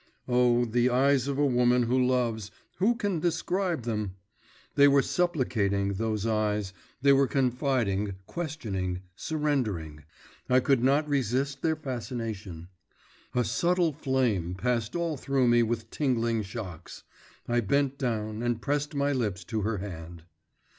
… Oh, the eyes of a woman who loves who can describe them? They were supplicating, those eyes, they were confiding, questioning, surrendering … I could not resist their fascination. A subtle flame passed all through me with tingling shocks; I bent down and pressed my lips to her hand.